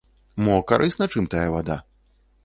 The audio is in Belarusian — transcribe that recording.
Мо карысна чым тая вада?